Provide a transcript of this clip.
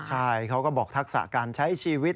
ใช่เขาก็บอกทักษะการใช้ชีวิต